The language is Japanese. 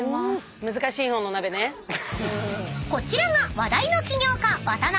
［こちらが話題の起業家］